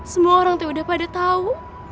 semua orang tuh udah pada tahu